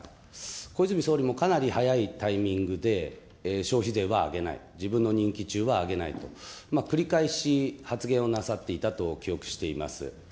小泉総理もかなり早いタイミングで、消費税は上げない、自分の任期中は上げないと繰り返し発言をなさっていたと記憶しております。